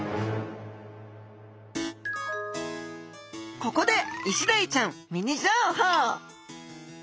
ここでイシダイちゃんミニ情報！